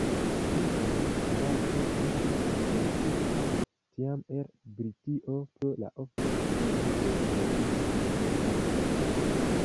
Tiu aparato estis importita tiam el Britio pro la ofta vizito de reĝino Victoria.